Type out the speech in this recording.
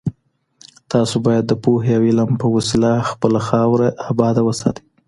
تاسو بايد د پوهي او علم په وسيله خپله خاوره اباده وساتئ.